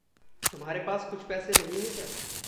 तुम्हारे पास कुछ पैसे नहीं हैं क्या?